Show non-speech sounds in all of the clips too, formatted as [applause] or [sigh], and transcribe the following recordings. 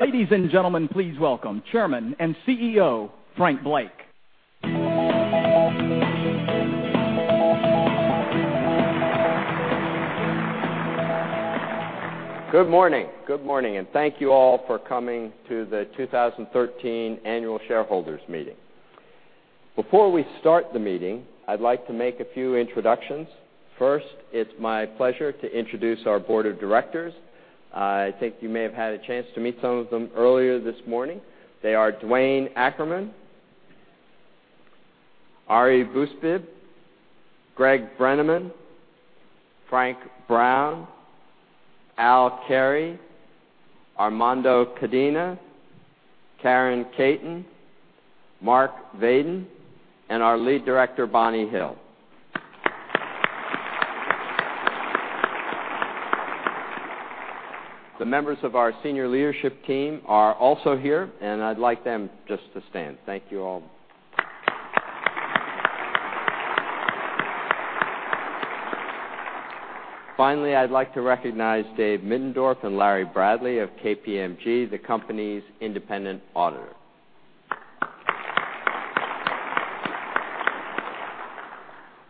Ladies and gentlemen, please welcome Chairman and CEO, Frank Blake. Good morning. Good morning. Thank you all for coming to the 2013 annual shareholders meeting. Before we start the meeting, I'd like to make a few introductions. First, it's my pleasure to introduce our Board of Directors. I think you may have had a chance to meet some of them earlier this morning. They are Duane Ackerman, Ari Bousbib, Greg Brenneman, Frank Brown, Al Carey, Armando Codina, Karen Katen, Mark Vadon, and our Lead Director, Bonnie Hill. The members of our senior leadership team are also here, and I'd like them just to stand. Thank you all. Finally, I'd like to recognize Dave Middendorf and Larry Bradley of KPMG, the company's independent auditor.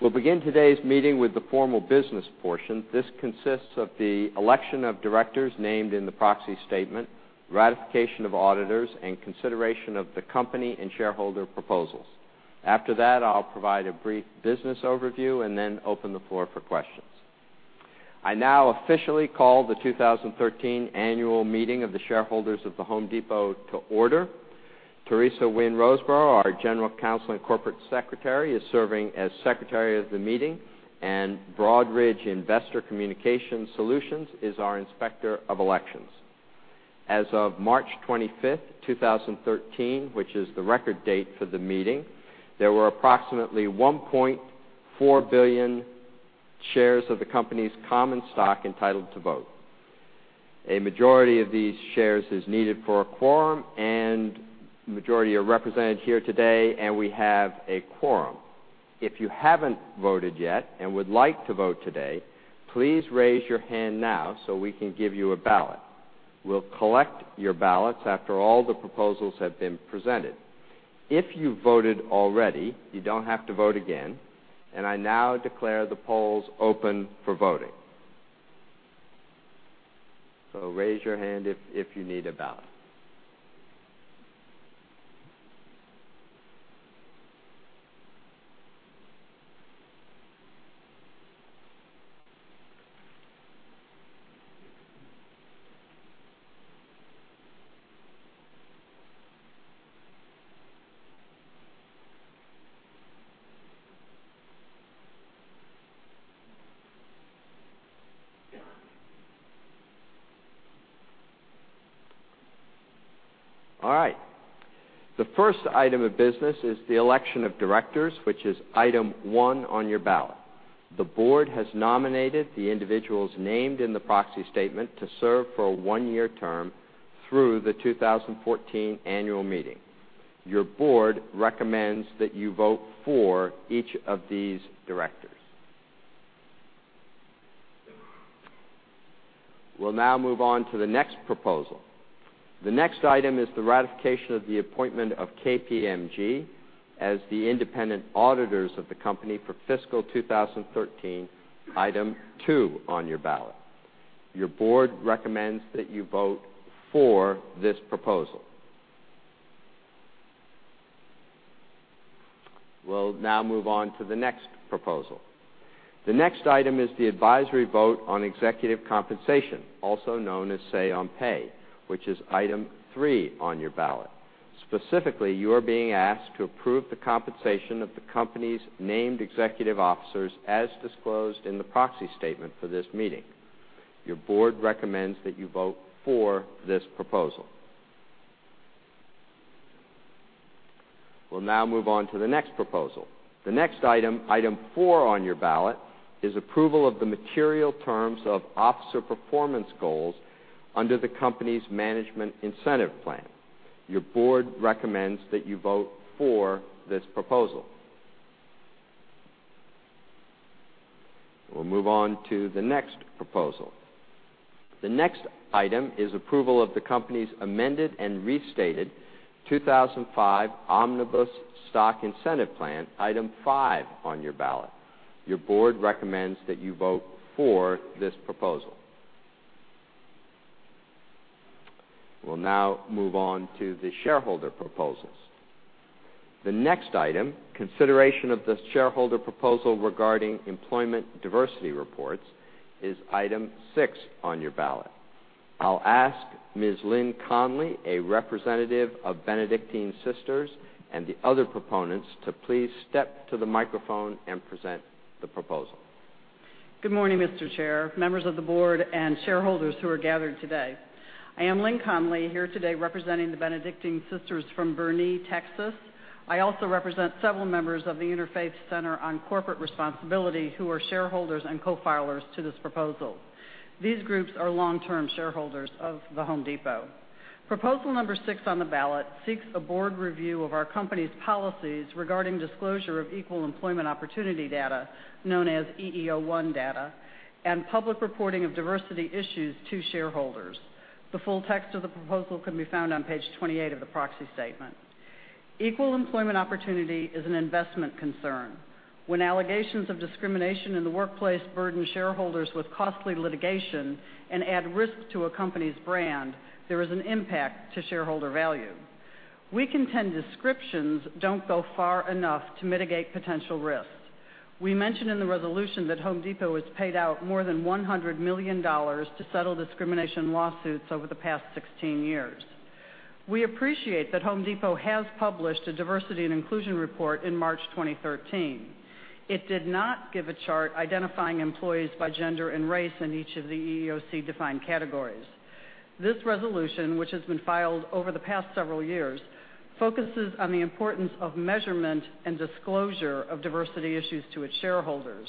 We'll begin today's meeting with the formal business portion. This consists of the election of directors named in the proxy statement, ratification of auditors, and consideration of the company and shareholder proposals. I'll provide a brief business overview. Then open the floor for questions. I now officially call the 2013 annual meeting of the shareholders of The Home Depot to order. Teresa Wynn Roseborough, our General Counsel and Corporate Secretary, is serving as secretary of the meeting, and Broadridge Investor Communication Solutions is our inspector of elections. As of March 25th, 2013, which is the record date for the meeting, there were approximately 1.4 billion shares of the company's common stock entitled to vote. A majority of these shares is needed for a quorum. The majority are represented here today. We have a quorum. If you haven't voted yet and would like to vote today, please raise your hand now so we can give you a ballot. We'll collect your ballots after all the proposals have been presented. If you voted already, you don't have to vote again. I now declare the polls open for voting. Raise your hand if you need a ballot. All right. The first item of business is the election of directors, which is item one on your ballot. The Board has nominated the individuals named in the proxy statement to serve for a one-year term through the 2014 annual meeting. Your Board recommends that you vote for each of these directors. We'll now move on to the next proposal. The next item is the ratification of the appointment of KPMG as the independent auditors of the company for fiscal 2013, item two on your ballot. Your Board recommends that you vote for this proposal. We'll now move on to the next proposal. The next item is the advisory vote on executive compensation, also known as Say on Pay, which is item three on your ballot. Specifically, you are being asked to approve the compensation of the company's named executive officers as disclosed in the proxy statement for this meeting. Your board recommends that you vote for this proposal. We will now move on to the next proposal. The next item four on your ballot, is approval of the material terms of officer performance goals under the company's management incentive plan. Your board recommends that you vote for this proposal. We will move on to the next proposal. The next item is approval of the company's Amended and Restated 2005 Omnibus Stock Incentive Plan, item five on your ballot. Your board recommends that you vote for this proposal. We will now move on to the shareholder proposals. The next item, consideration of the shareholder proposal regarding employment diversity reports, is item six on your ballot. I will ask Ms. Lynn Conley, a representative of Benedictine Sisters, and the other proponents to please step to the microphone and present the proposal. Good morning, Mr. Chair, members of the board, and shareholders who are gathered today. I am Lynn Conley, here today representing the Benedictine Sisters from Boerne, Texas. I also represent several members of the Interfaith Center on Corporate Responsibility, who are shareholders and co-filers to this proposal. These groups are long-term shareholders of The Home Depot. Proposal number 6 on the ballot seeks a board review of our company's policies regarding disclosure of equal employment opportunity data, known as EEO-1 data, and public reporting of diversity issues to shareholders. The full text of the proposal can be found on page 28 of the proxy statement. Equal employment opportunity is an investment concern. When allegations of discrimination in the workplace burden shareholders with costly litigation and add risk to a company's brand, there is an impact to shareholder value. We contend descriptions do not go far enough to mitigate potential risks. We mentioned in the resolution that The Home Depot has paid out more than $100 million to settle discrimination lawsuits over the past 16 years. We appreciate that The Home Depot has published a diversity and inclusion report in March 2013. It did not give a chart identifying employees by gender and race in each of the EEOC-defined categories. This resolution, which has been filed over the past several years, focuses on the importance of measurement and disclosure of diversity issues to its shareholders.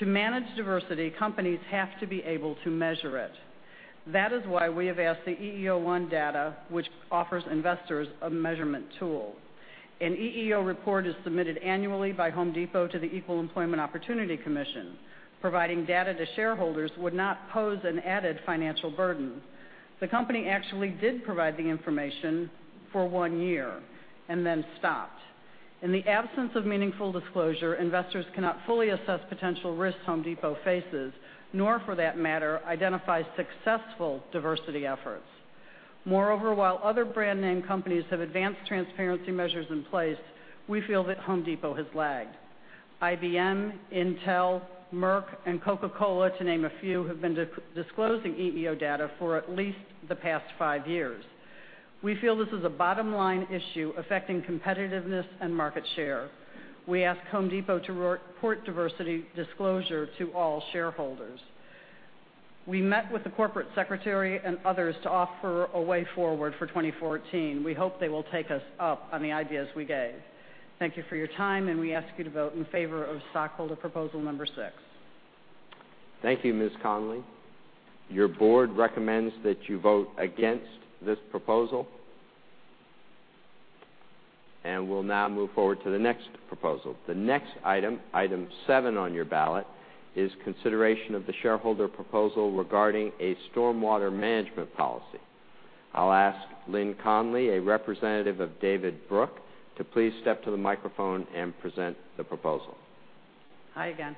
To manage diversity, companies have to be able to measure it. That is why we have asked the EEO-1 data, which offers investors a measurement tool. An EEO report is submitted annually by The Home Depot to the Equal Employment Opportunity Commission. Providing data to shareholders would not pose an added financial burden. The company actually did provide the information for one year and then stopped. In the absence of meaningful disclosure, investors cannot fully assess potential risks The Home Depot faces, nor, for that matter, identify successful diversity efforts. Moreover, while other brand name companies have advanced transparency measures in place, we feel that The Home Depot has lagged. IBM, Intel, Merck, and Coca-Cola, to name a few, have been disclosing EEO for at least the past 5 years. We feel this is a bottom-line issue affecting competitiveness and market share. We ask The Home Depot to report diversity disclosure to all shareholders. We met with the corporate secretary and others to offer a way forward for 2014. We hope they will take us up on the ideas we gave. Thank you for your time. We ask you to vote in favor of shareholder proposal number 6. Thank you, Ms. Conley. Your board recommends that you vote against this proposal. We'll now move forward to the next proposal. The next item 7 on your ballot, is consideration of the shareholder proposal regarding a stormwater management policy. I'll ask Lynn Conley, a representative of David Brooks, to please step to the microphone and present the proposal. Hi again.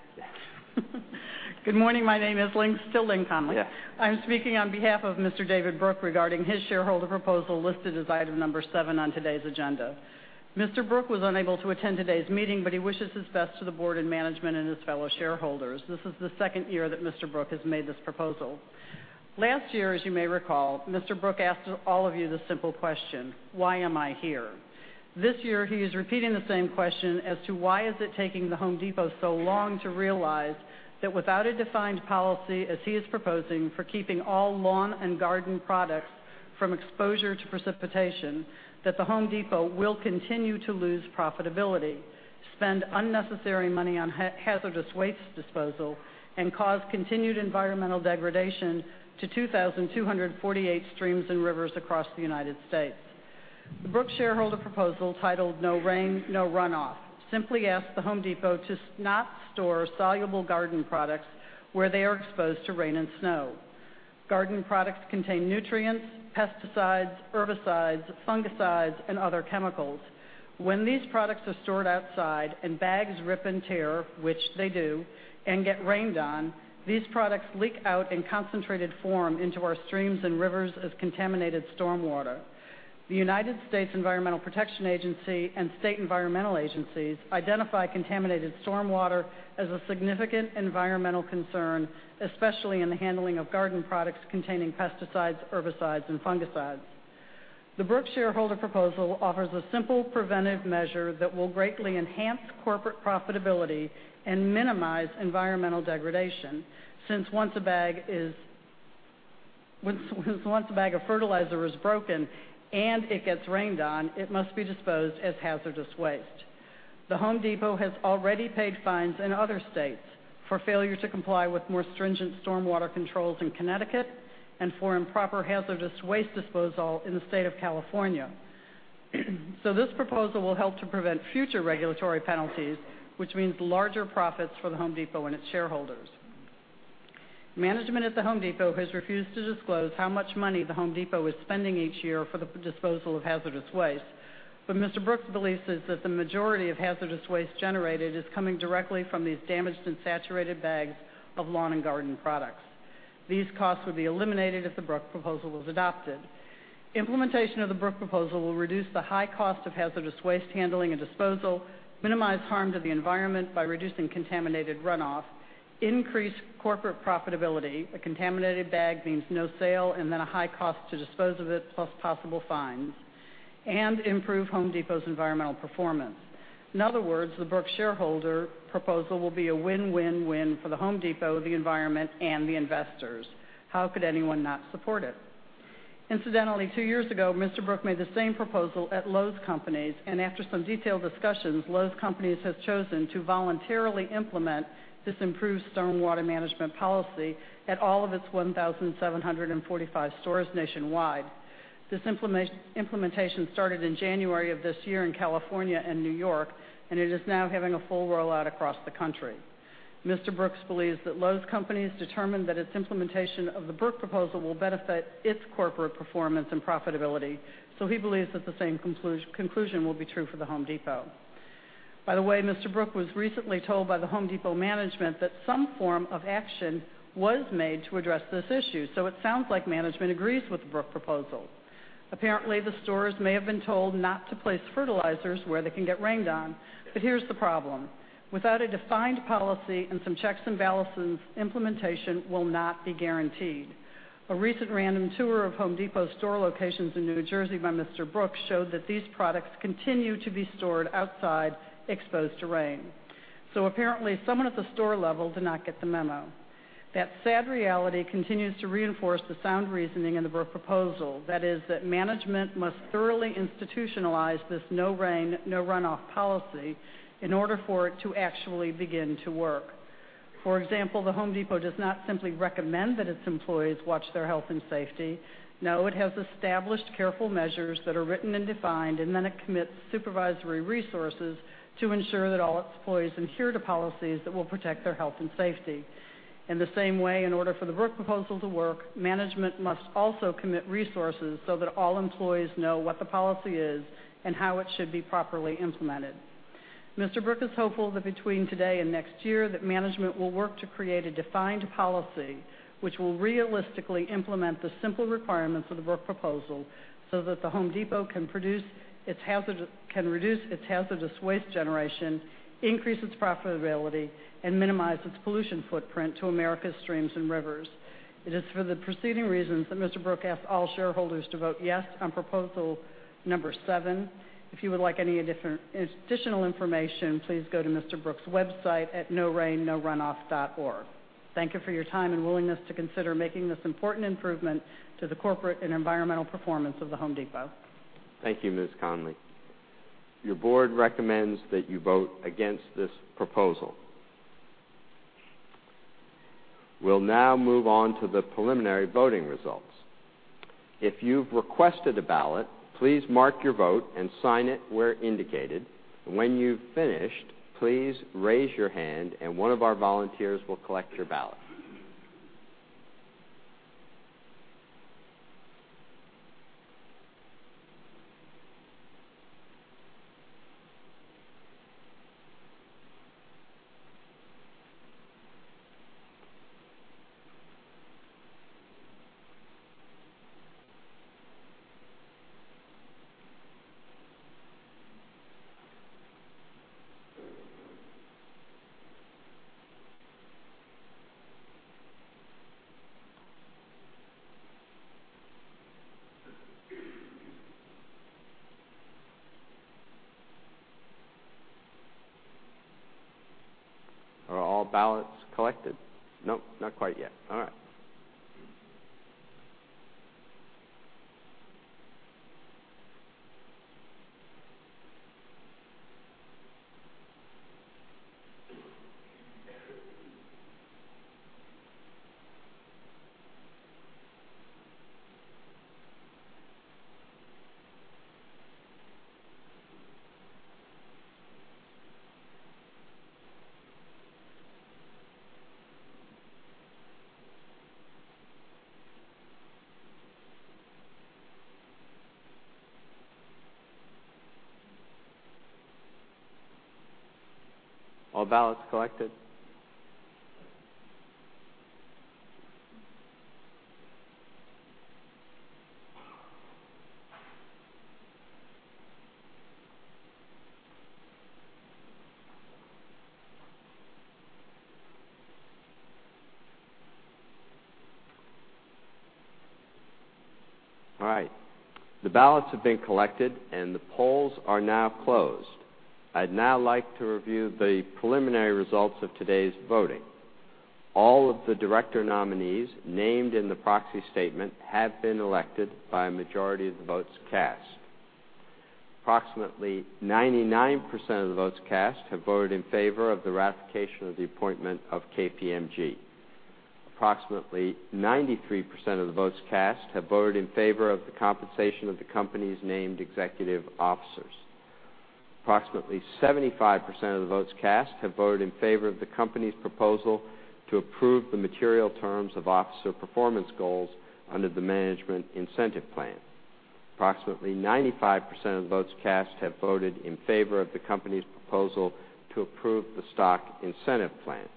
Good morning. My name is still Lynn Conley. Yeah. I'm speaking on behalf of Mr. David Brooks regarding his shareholder proposal listed as item number 7 on today's agenda. Mr. Brooks was unable to attend today's meeting, but he wishes his best to the board and management and his fellow shareholders. This is the second year that Mr. Brooks has made this proposal. Last year, as you may recall, Mr. Brooks asked all of you the simple question, "Why am I here?" This year, he is repeating the same question as to why is it taking The Home Depot so long to realize that without a defined policy, as he is proposing, for keeping all lawn and garden products from exposure to precipitation, that The Home Depot will continue to lose profitability, spend unnecessary money on hazardous waste disposal, and cause continued environmental degradation to 2,248 streams and rivers across the U.S. The Brooks shareholder proposal, titled "No Rain, No Runoff," simply asks The Home Depot to not store soluble garden products where they are exposed to rain and snow. Garden products contain nutrients, pesticides, herbicides, fungicides, and other chemicals. When these products are stored outside and bags rip and tear, which they do, and get rained on, these products leak out in concentrated form into our streams and rivers as contaminated stormwater. The United States Environmental Protection Agency and state environmental agencies identify contaminated stormwater as a significant environmental concern, especially in the handling of garden products containing pesticides, herbicides, and fungicides. The Brooks shareholder proposal offers a simple preventive measure that will greatly enhance corporate profitability and minimize environmental degradation, since once a bag of fertilizer is broken and it gets rained on, it must be disposed of as hazardous waste. The Home Depot has already paid fines in other states for failure to comply with more stringent stormwater controls in Connecticut and for improper hazardous waste disposal in the state of California. This proposal will help to prevent future regulatory penalties, which means larger profits for The Home Depot and its shareholders. Management at The Home Depot has refused to disclose how much money The Home Depot is spending each year for the disposal of hazardous waste, Mr. Brooks' belief is that the majority of hazardous waste generated is coming directly from these damaged and saturated bags of lawn and garden products. These costs would be eliminated if the Brooks proposal was adopted. Implementation of the Brooks proposal will reduce the high cost of hazardous waste handling and disposal, minimize harm to the environment by reducing contaminated runoff, increase corporate profitability, a contaminated bag means no sale and then a high cost to dispose of it, plus possible fines, and improve The Home Depot's environmental performance. In other words, the Brooks shareholder proposal will be a win-win-win for The Home Depot, the environment, and the investors. How could anyone not support it? Incidentally, two years ago, Mr. Brooks made the same proposal at Lowe's Companies, and after some detailed discussions, Lowe's Companies have chosen to voluntarily implement this improved stormwater management policy at all of its 1,745 stores nationwide. This implementation started in January of this year in California and New York, and it is now having a full rollout across the country. Mr. Brooks believes that Lowe's Companies determined that its implementation of the Brooks proposal will benefit its corporate performance and profitability, he believes that the same conclusion will be true for The Home Depot. Mr. Brooks was recently told by The Home Depot management that some form of action was made to address this issue. It sounds like management agrees with the Brooks proposal. Apparently, the stores may have been told not to place fertilizers where they can get rained on. Here's the problem. Without a defined policy and some checks and balances, implementation will not be guaranteed. A recent random tour of The Home Depot store locations in New Jersey by Mr. Brooks showed that these products continue to be stored outside, exposed to rain. Apparently, someone at the store level did not get the memo. That sad reality continues to reinforce the sound reasoning in the Brooks proposal, that is that management must thoroughly institutionalize this No Rain, No Runoff policy in order for it to actually begin to work. For example, The Home Depot does not simply recommend that its employees watch their health and safety. No, it has established careful measures that are written and defined, and then it commits supervisory resources to ensure that all its employees adhere to policies that will protect their health and safety. In the same way, in order for the Brooks proposal to work, management must also commit resources so that all employees know what the policy is and how it should be properly implemented. Mr. Brooks is hopeful that between today and next year, that management will work to create a defined policy which will realistically implement the simple requirements of the Brooks proposal, so that The Home Depot can reduce its hazardous waste generation, increase its profitability, and minimize its pollution footprint to America's streams and rivers. It is for the preceding reasons that Mr. Brooks asks all shareholders to vote yes on proposal number 7. If you would like any additional information, please go to Mr. Brooks website at norainnorunoff.org. Thank you for your time and willingness to consider making this important improvement to the corporate and environmental performance of The Home Depot. Thank you, Ms. Conley. Your board recommends that you vote against this proposal. We'll now move on to the preliminary voting results. If you've requested a ballot, please mark your vote and sign it where indicated. When you've finished, please raise your hand and one of our volunteers will collect your ballot. Are all ballots collected? Nope, not quite yet. All right. All ballots collected. All right. The ballots have been collected, and the polls are now closed. I'd now like to review the preliminary results of today's voting. All of the director nominees named in the proxy statement have been elected by a majority of the votes cast. Approximately 99% of the votes cast have voted in favor of the ratification of the appointment of KPMG. Approximately 93% of the votes cast have voted in favor of the compensation of the company's named executive officers. Approximately 75% of the votes cast have voted in favor of the company's proposal to approve the material terms of officer performance goals under the Management Incentive Plan. Approximately 95% of the votes cast have voted in favor of the company's proposal to approve the Stock Incentive Plan.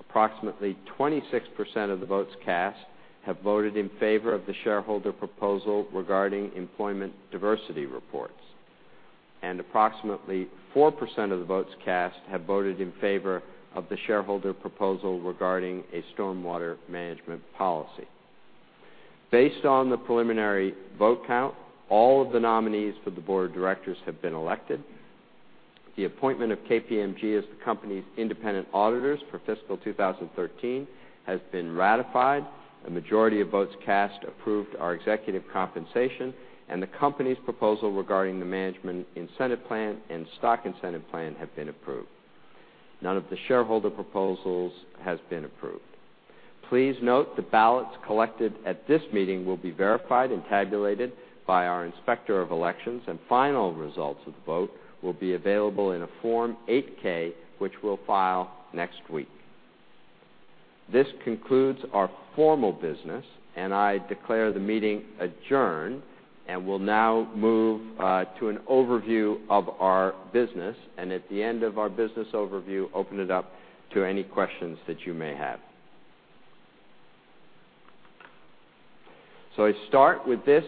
Approximately 26% of the votes cast have voted in favor of the shareholder proposal regarding employment diversity reports, and approximately 4% of the votes cast have voted in favor of the shareholder proposal regarding a stormwater management policy. Based on the preliminary vote count, all of the nominees for the board of directors have been elected. The appointment of KPMG as the company's independent auditors for fiscal 2013 has been ratified. A majority of votes cast approved our executive compensation. The company's proposal regarding the Management Incentive Plan and Stock Incentive Plan have been approved. None of the shareholder proposals has been approved. Please note the ballots collected at this meeting will be verified and tabulated by our inspector of elections, and final results of the vote will be available in a Form 8-K, which we'll file next week. This concludes our formal business, and I declare the meeting adjourned. We'll now move to an overview of our business, and at the end of our business overview, open it up to any questions that you may have. I start with this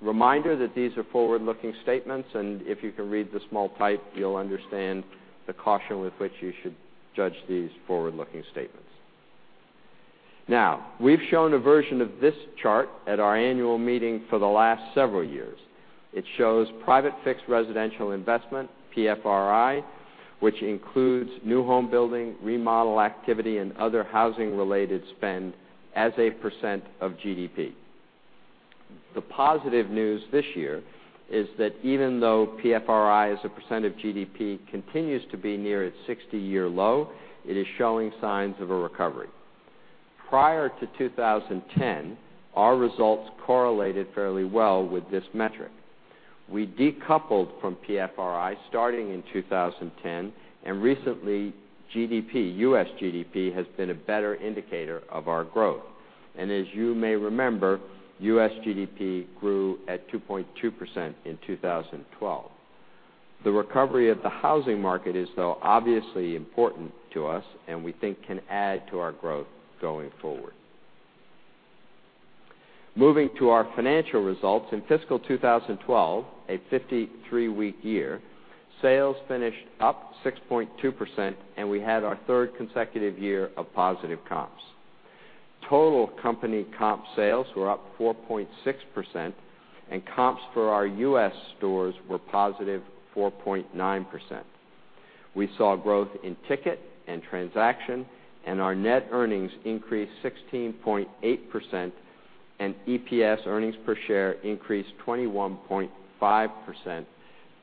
reminder that these are forward-looking statements, and if you can read the small type, you'll understand the caution with which you should judge these forward-looking statements. We've shown a version of this chart at our annual meeting for the last several years. It shows private fixed residential investment, PFRI, which includes new home building, remodel activity, and other housing-related spend as a % of GDP. The positive news this year is that even though PFRI as a % of GDP continues to be near its 60-year low, it is showing signs of a recovery. Prior to 2010, our results correlated fairly well with this metric. We decoupled from PFRI starting in 2010, and recently, GDP, U.S. GDP, has been a better indicator of our growth. As you may remember, U.S. GDP grew at 2.2% in 2012. The recovery of the housing market is, though, obviously important to us, and we think can add to our growth going forward. Moving to our financial results, in fiscal 2012, a 53-week year, sales finished up 6.2%, and we had our third consecutive year of positive comps. Total company comp sales were up 4.6%, and comps for our U.S. stores were positive 4.9%. We saw growth in ticket and transaction, and our net earnings increased 16.8%, and EPS, earnings per share, increased 21.5%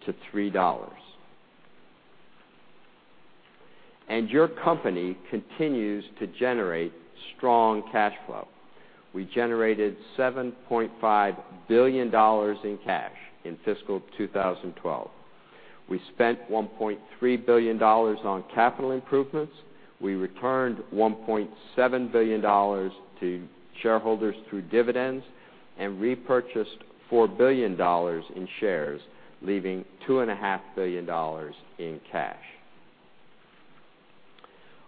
to $3. Your company continues to generate strong cash flow. We generated $7.5 billion in cash in fiscal 2012. We spent $1.3 billion on capital improvements. We returned $1.7 billion to shareholders through dividends and repurchased $4 billion in shares, leaving $2.5 billion in cash.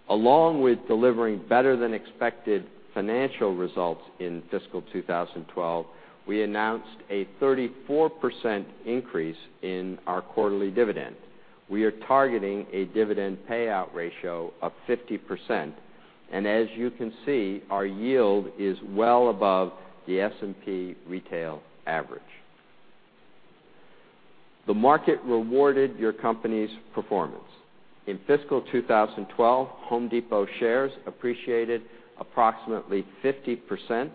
Along with delivering better-than-expected financial results in fiscal 2012, we announced a 34% increase in our quarterly dividend. We are targeting a dividend payout ratio of 50%, and as you can see, our yield is well above the S&P retail average. The market rewarded your company's performance. In fiscal 2012, Home Depot shares appreciated approximately 50%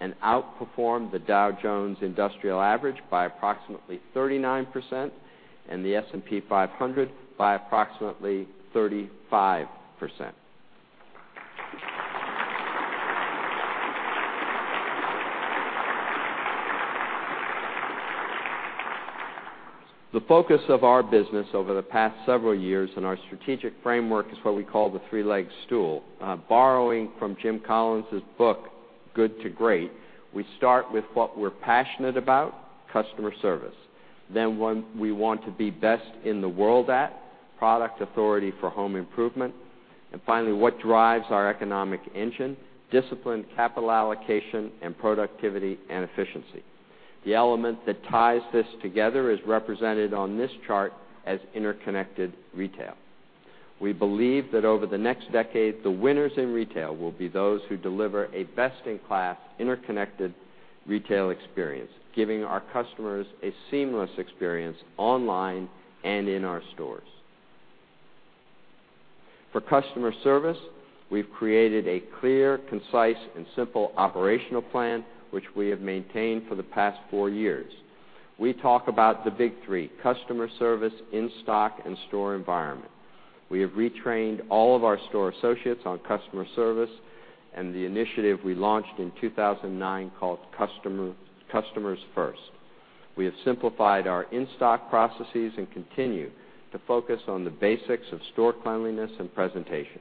and outperformed the Dow Jones Industrial Average by approximately 39% and the S&P 500 by approximately 35%. The focus of our business over the past several years and our strategic framework is what we call the three-legged stool. Borrowing from Jim Collins' book, "Good to Great," we start with what we're passionate about, customer service. What we want to be the best in the world at, product authority for home improvement. Finally, what drives our economic engine, disciplined capital allocation, and productivity and efficiency. The element that ties this together is represented on this chart as interconnected retail. We believe that over the next decade, the winners in retail will be those who deliver a best-in-class interconnected retail experience, giving our customers a seamless experience online and in our stores. For customer service, we've created a clear, concise, and simple operational plan, which we have maintained for the past four years. We talk about the big three, customer service, in-stock, and store environment. We have retrained all of our store associates on customer service and the initiative we launched in 2009 called Customers First. We have simplified our in-stock processes and continue to focus on the basics of store cleanliness and presentation.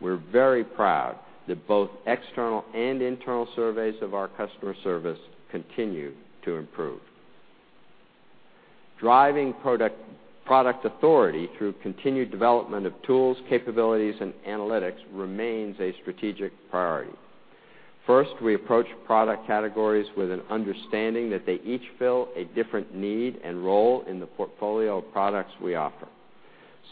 We're very proud that both external and internal surveys of our customer service continue to improve. Driving product authority through continued development of tools, capabilities, and analytics remains a strategic priority. First, we approach product categories with an understanding that they each fill a different need and role in the portfolio of products we offer.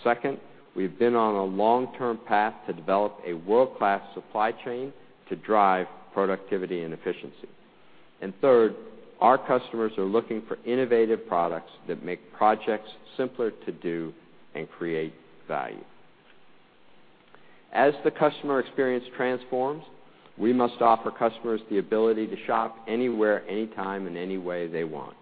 Second, we've been on a long-term path to develop a world-class supply chain to drive productivity and efficiency. Third, our customers are looking for innovative products that make projects simpler to do and create value. As the customer experience transforms, we must offer customers the ability to shop anywhere, anytime, in any way they want.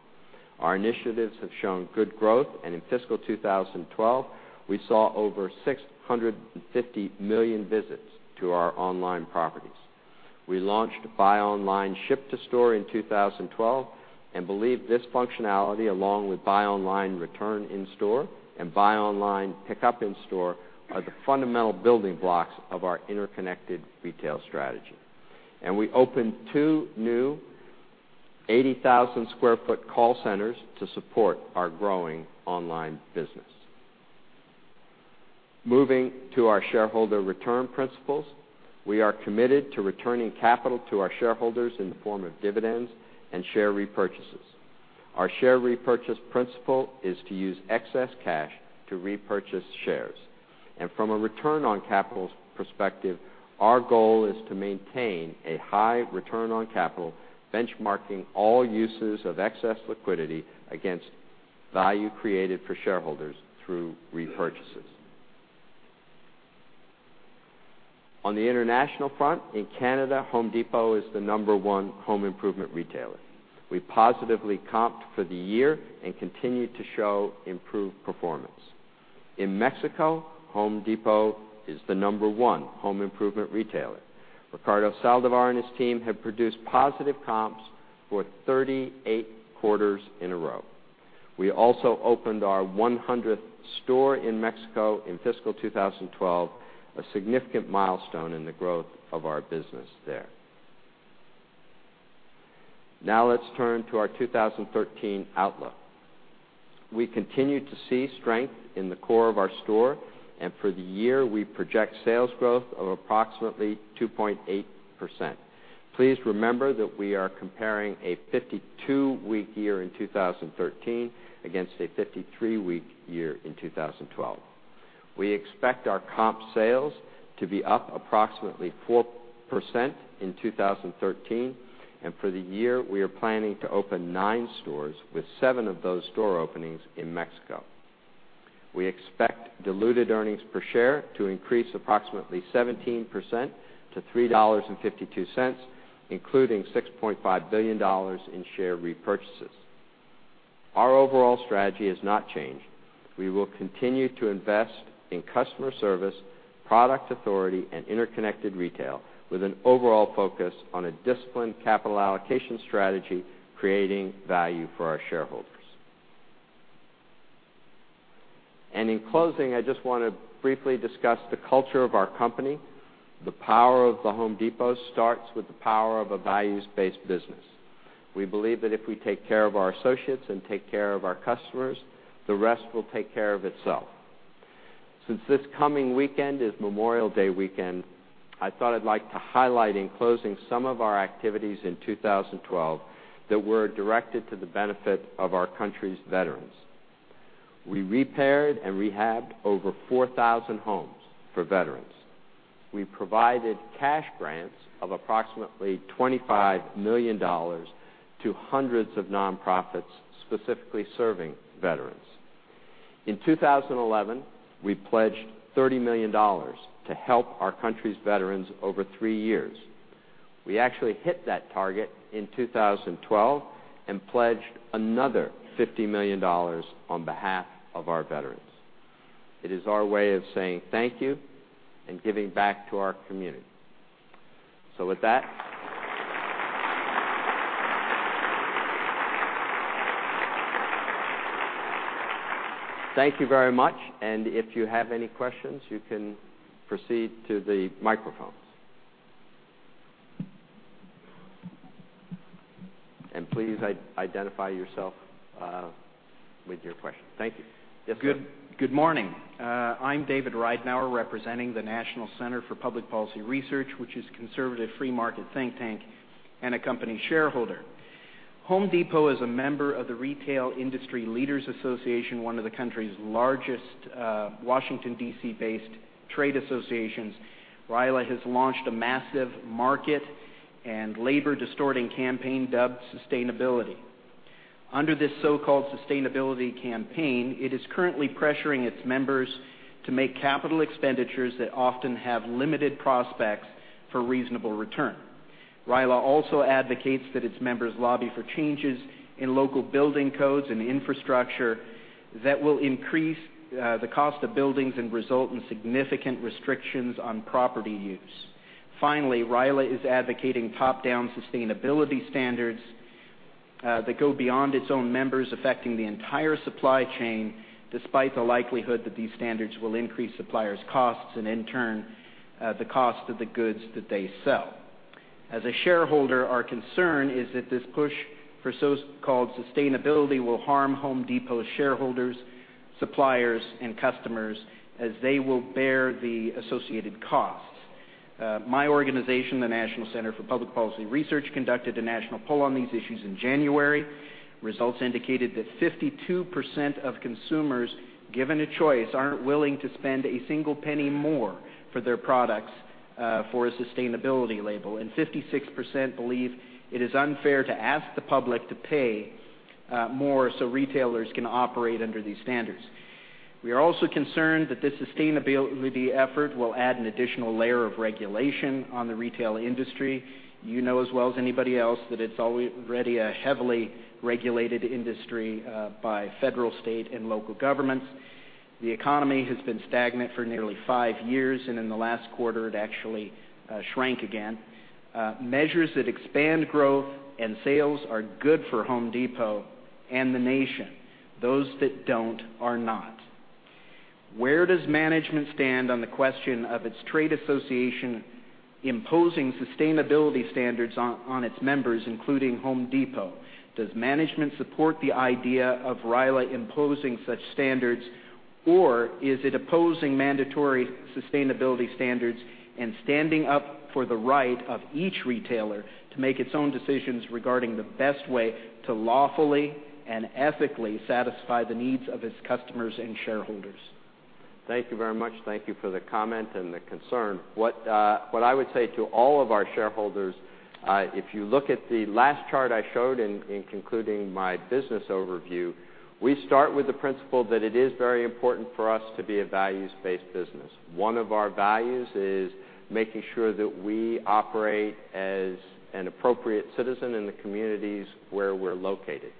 Our initiatives have shown good growth, and in FY 2012, we saw over 650 million visits to our online properties. We launched Buy Online Ship to Store in 2012 and believe this functionality, along with Buy Online Return in Store and Buy Online Pickup in Store, are the fundamental building blocks of our interconnected retail strategy. We opened 2 new 80,000 sq ft call centers to support our growing online business. Moving to our shareholder return principles, we are committed to returning capital to our shareholders in the form of dividends and share repurchases. Our share repurchase principle is to use excess cash to repurchase shares. From a return on capital's perspective, our goal is to maintain a high return on capital, benchmarking all uses of excess liquidity against value created for shareholders through repurchases. On the international front, in Canada, The Home Depot is the number 1 home improvement retailer. We positively comped for the year and continue to show improved performance. In Mexico, The Home Depot is the number 1 home improvement retailer. Ricardo Saldivar and his team have produced positive comps for 38 quarters in a row. We also opened our 100th store in Mexico in FY 2012, a significant milestone in the growth of our business there. Now let's turn to our 2013 outlook. We continue to see strength in the core of our store, and for the year, we project sales growth of approximately 2.8%. Please remember that we are comparing a 52-week year in 2013 against a 53-week year in 2012. We expect our comp sales to be up approximately 4% in 2013, and for the year, we are planning to open 9 stores, with 7 of those store openings in Mexico. We expect diluted earnings per share to increase approximately 17% to $3.52, including $6.5 billion in share repurchases. Our overall strategy has not changed. We will continue to invest in customer service, product authority, and interconnected retail with an overall focus on a disciplined capital allocation strategy, creating value for our shareholders. In closing, I just want to briefly discuss the culture of our company. The power of The Home Depot starts with the power of a values-based business. We believe that if we take care of our associates and take care of our customers, the rest will take care of itself. Since this coming weekend is Memorial Day weekend, I thought I'd like to highlight in closing some of our activities in 2012 that were directed to the benefit of our country's veterans. We repaired and rehabbed over 4,000 homes for veterans. We provided cash grants of approximately $25 million to hundreds of nonprofits, specifically serving veterans. In 2011, we pledged $30 million to help our country's veterans over three years. We actually hit that target in 2012 and pledged another $50 million on behalf of our veterans. It is our way of saying thank you and giving back to our community. Thank you very much. If you have any questions, you can proceed to the microphones. Please identify yourself with your question. Thank you. Yes, sir. Good morning. I'm David Ridenour, representing the National Center for Public Policy Research, which is a conservative free market think tank and a company shareholder. Home Depot is a member of the Retail Industry Leaders Association, one of the country's largest Washington, D.C.-based trade associations. RILA has launched a massive market and labor distorting campaign dubbed Sustainability. Under this so-called Sustainability campaign, it is currently pressuring its members to make capital expenditures that often have limited prospects for reasonable return. RILA also advocates that its members lobby for changes in local building codes and infrastructure that will increase the cost of buildings and result in significant restrictions on property use. Finally, RILA is advocating top-down Sustainability standards that go beyond its own members, affecting the entire supply chain, despite the likelihood that these standards will increase suppliers' costs and in turn, the cost of the goods that they sell. As a shareholder, our concern is that this push for so-called sustainability will harm Home Depot shareholders, suppliers, and customers as they will bear the associated costs. My organization, the National Center for Public Policy Research, conducted a national poll on these issues in January. Results indicated that 52% of consumers, given a choice, aren't willing to spend a single penny more for their products for a sustainability label, and 56% believe it is unfair to ask the public to pay more so retailers can operate under these standards. We are also concerned that this sustainability effort will add an additional layer of regulation on the retail industry. You know as well as anybody else that it's already a heavily regulated industry by federal, state, and local governments. The economy has been stagnant for nearly five years, and in the last quarter, it actually shrank again. Measures that expand growth and sales are good for Home Depot and the nation. Those that don't are not. Where does management stand on the question of its trade association imposing sustainability standards on its members, including Home Depot? Does management support the idea of RILA imposing such standards, or is it opposing mandatory sustainability standards and standing up for the right of each retailer to make its own decisions regarding the best way to lawfully and ethically satisfy the needs of its customers and shareholders? Thank you very much. Thank you for the comment and the concern. What I would say to all of our shareholders, if you look at the last chart I showed in concluding my business overview, we start with the principle that it is very important for us to be a values-based business. One of our values is making sure that we operate as an appropriate citizen in the communities where we're located.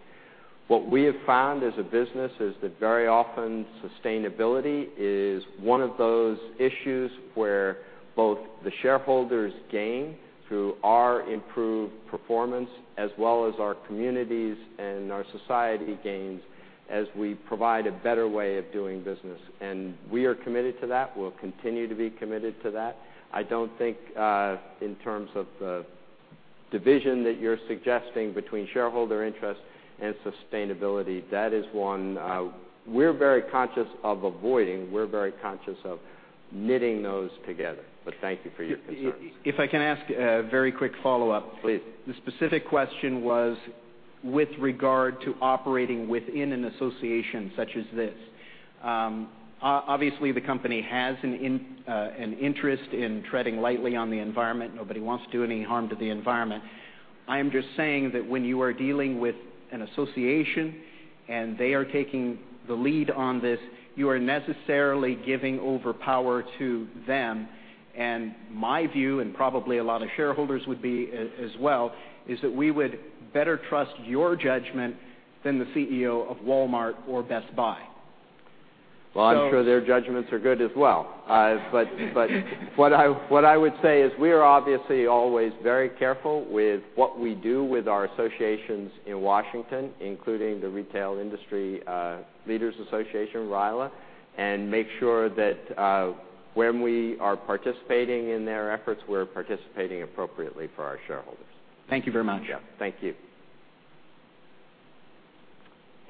What we have found as a business is that very often, sustainability is one of those issues where both the shareholders gain through our improved performance, as well as our communities and our society gains as we provide a better way of doing business. We are committed to that. We'll continue to be committed to that. I don't think, in terms of the division that you're suggesting between shareholder interest and sustainability, that is one we're very conscious of avoiding. We're very conscious of knitting those together. Thank you for your concerns. If I can ask a very quick follow-up. Please. The specific question was with regard to operating within an association such as this. Obviously, the company has an interest in treading lightly on the environment. Nobody wants to do any harm to the environment. I am just saying that when you are dealing with an association, and they are taking the lead on this, you are necessarily giving over power to them. My view, and probably a lot of shareholders would be as well, is that we would better trust your judgment than the CEO of Walmart or Best Buy. Well, I'm sure their judgments are good as well. What I would say is we are obviously always very careful with what we do with our associations in Washington, including the Retail Industry Leaders Association, RILA, and make sure that when we are participating in their efforts, we are participating appropriately for our shareholders. Thank you very much. Yeah. Thank you.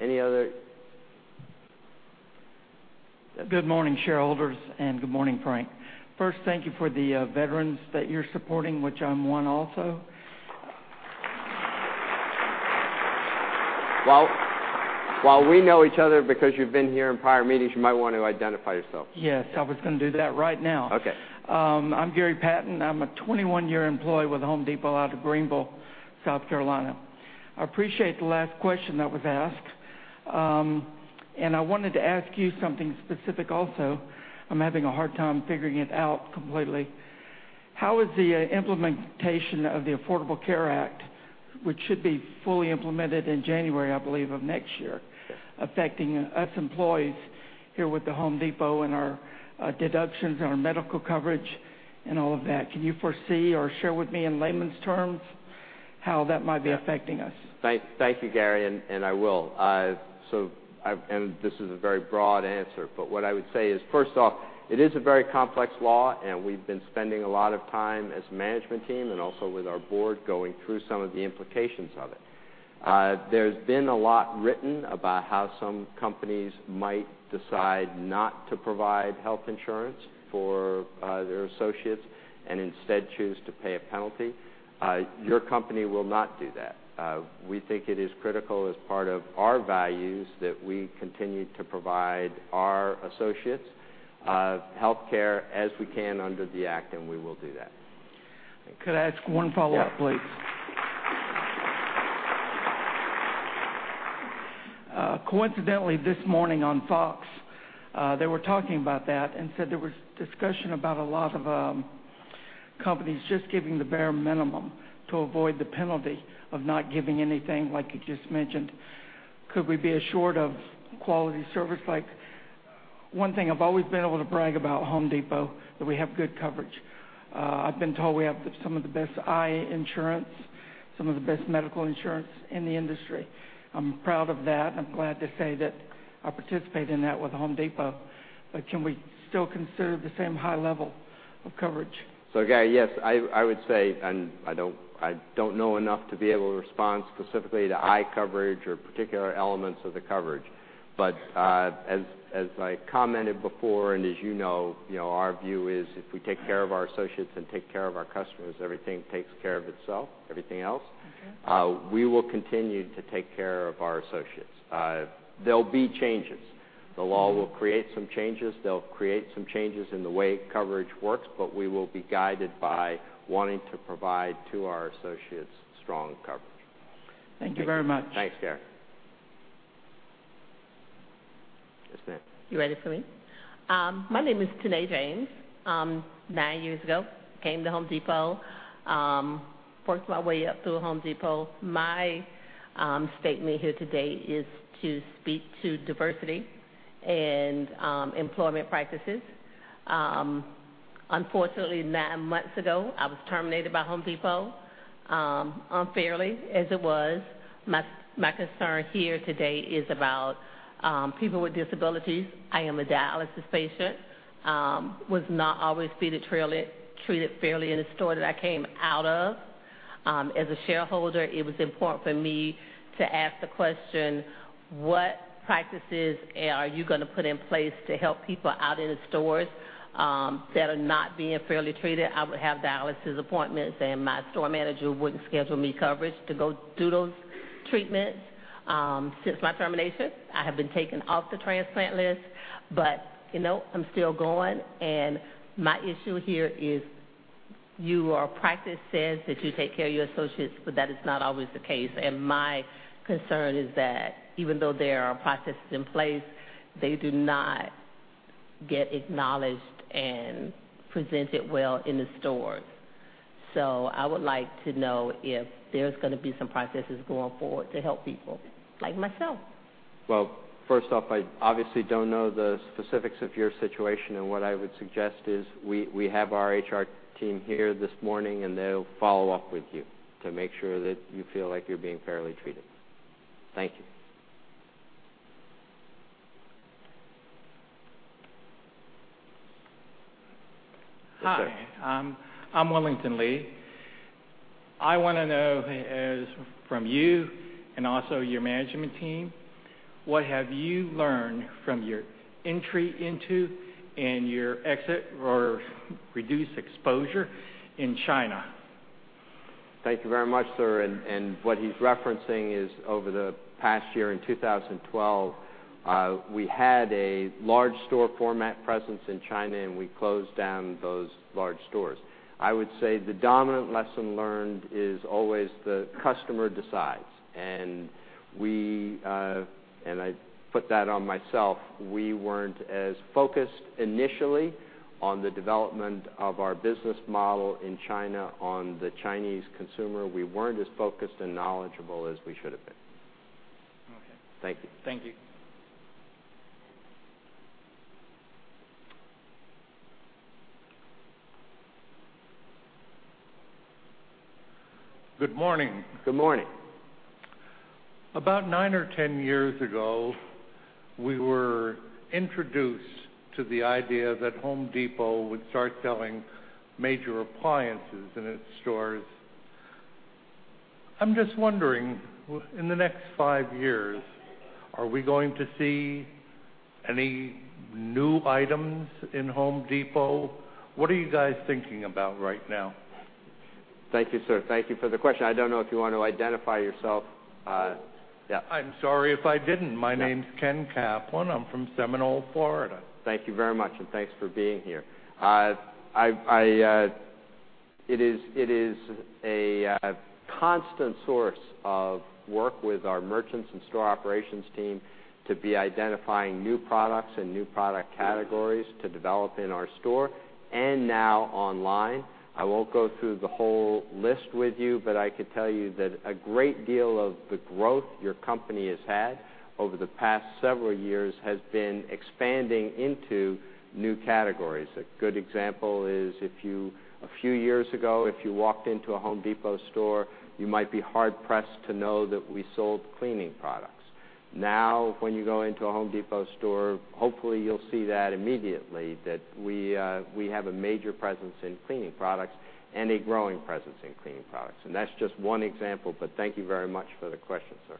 Any other Good morning, shareholders, and good morning, Frank. Thank you for the veterans that you are supporting, which I am one also. While we know each other because you've been here in prior meetings, you might want to identify yourself. Yes, I was going to do that right now. Okay. I'm Gary Patton. I'm a 21-year employee with Home Depot out of Greenville, South Carolina. I appreciate the last question that was asked. I wanted to ask you something specific also. I'm having a hard time figuring it out completely. How is the implementation of the Affordable Care Act, which should be fully implemented in January, I believe, of next year- Yes affecting us employees here with the Home Depot and our deductions and our medical coverage and all of that? Can you foresee or share with me in layman's terms how that might be affecting us? Thank you, Gary, and I will. This is a very broad answer, but what I would say is, first off, it is a very complex law, and we've been spending a lot of time as a management team and also with our Board going through some of the implications of it. There's been a lot written about how some companies might decide not to provide health insurance for their associates and instead choose to pay a penalty. Your company will not do that. We think it is critical as part of our values that we continue to provide our associates health care as we can under the act, and we will do that. Could I ask one follow-up, please? Yeah. Coincidentally, this morning on Fox, they were talking about that and said there was discussion about a lot of companies just giving the bare minimum to avoid the penalty of not giving anything, like you just mentioned. Could we be assured of quality service? One thing I've always been able to brag about The Home Depot, that we have good coverage. I've been told we have some of the best eye insurance, some of the best medical insurance in the industry. I'm proud of that. I'm glad to say that I participate in that with The Home Depot. Can we still preserve the same high level of coverage? Gary, yes. I would say, and I don't know enough to be able to respond specifically to eye coverage or particular elements of the coverage. As I commented before, and as you know, our view is if we take care of our associates and take care of our customers, everything takes care of itself, everything else. Okay. We will continue to take care of our associates. There'll be changes. The law will create some changes. They'll create some changes in the way coverage works, but we will be guided by wanting to provide to our associates strong coverage. Thank you very much. Thanks, Gary. Yes, ma'am. You ready for me? My name is Tene James. 9 years ago, came to The Home Depot, worked my way up through The Home Depot. My statement here today is to speak to diversity and employment practices. Unfortunately, 9 months ago, I was terminated by The Home Depot unfairly, as it was. My concern here today is about people with disabilities. I am a dialysis patient. Was not always treated fairly in the store that I came out of. As a shareholder, it was important for me to ask the question: what practices are you going to put in place to help people out in the stores that are not being fairly treated? I would have dialysis appointments, and my store manager wouldn't schedule me coverage to go do those treatments. Since my termination, I have been taken off the transplant list. I'm still going, my issue here is your practice says that you take care of your associates, but that is not always the case. My concern is that even though there are processes in place, they do not get acknowledged and presented well in the stores. I would like to know if there's going to be some processes going forward to help people like myself. Well, first off, I obviously don't know the specifics of your situation, what I would suggest is we have our HR team here this morning, they'll follow up with you to make sure that you feel like you're being fairly treated. Thank you. Hi. Yes, sir. I'm Wellington Lee. I want to know from you and also your management team, what have you learned from your entry into and your exit or reduced exposure in China? Thank you very much, sir. What he's referencing is over the past year, in 2012, we had a large store format presence in China, and we closed down those large stores. I would say the dominant lesson learned is always the customer decides. I put that on myself. We weren't as focused initially on the development of our business model in China on the Chinese consumer. We weren't as focused and knowledgeable as we should have been. Okay. Thank you. Thank you. Good morning. Good morning. About 9 or 10 years ago, we were introduced to the idea that The Home Depot would start selling major appliances in its stores. I'm just wondering, in the next five years, are we going to see any new items in The Home Depot? What are you guys thinking about right now? Thank you, sir. Thank you for the question. I don't know if you want to identify yourself. Yeah. I'm sorry if I didn't. Yeah. My name's Ken Kaplan. I'm from Seminole, Florida. Thank you very much. Thanks for being here. It is a constant source of work with our merchants and store operations team to be identifying new products and new product categories to develop in our store and now online. I won't go through the whole list with you, but I could tell you that a great deal of the growth your company has had over the past several years has been expanding into new categories. A good example is a few years ago, if you walked into a The Home Depot store, you might be hard-pressed to know that we sold cleaning products. Now, when you go into a The Home Depot store, hopefully you'll see that immediately, that we have a major presence in cleaning products and a growing presence in cleaning products. That's just one example, but thank you very much for the question, sir.